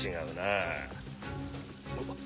あっ。